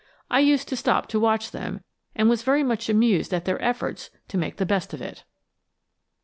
I used to stop to watch them, and was very much amused at their efforts to make the best of it.